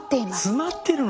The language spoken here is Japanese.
詰まってるの！？